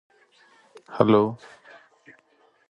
Klosters is from Davos.